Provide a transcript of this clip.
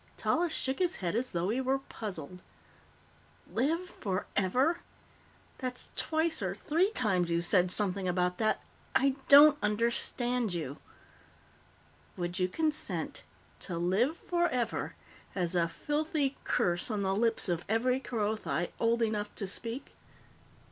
Tallis shook his head as though he were puzzled. "Live forever? That's twice or three times you've said something about that. I don't understand you." "Would you consent to live forever as a filthy curse on the lips of every Kerothi old enough to speak?